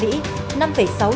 giúp gắn kết cộng đồng